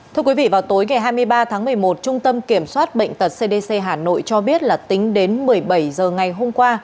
thưa quý vị vào tối ngày hai mươi ba tháng một mươi một trung tâm kiểm soát bệnh tật cdc hà nội cho biết là tính đến một mươi bảy h ngày hôm qua